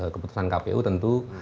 keputusan kpu tentu